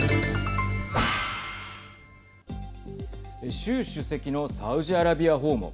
習主席のサウジアラビア訪問。